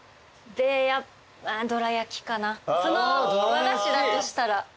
和菓子だとしたら。